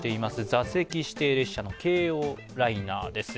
座席指定列車の京王ライナーです。